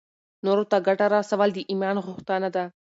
نورو ته ګټه رسول د ایمان غوښتنه ده.